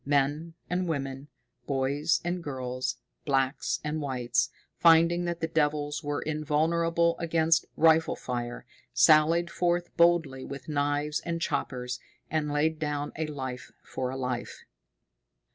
Men and women, boys and girls, blacks and whites, finding that the devils were invulnerable against rifle fire, sallied forth boldly with knives and choppers, and laid down a life for a life.